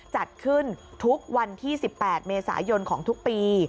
จัดขึ้นทุกวันที่๑๘เมษายนของทุกปี